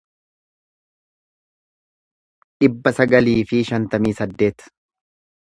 dhibba sagalii fi shantamii saddeet